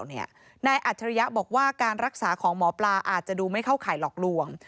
นายอัจฉริยะบอกว่าการรักษาของหมอปลาอาจจะดูไม่เข้าข่ายหลอกลวง